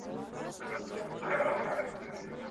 هغه به د هغې د علم مخه ونه نیسي.